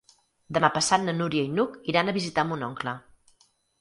Demà passat na Núria i n'Hug iran a visitar mon oncle.